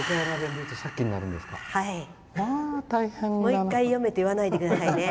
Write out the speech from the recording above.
もう１回読めって言わないでくださいね。